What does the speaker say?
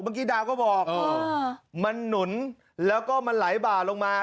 เมื่อกี้ดาวก็บอกมามันนุนแล้วก็มันไหลบ่าลงมา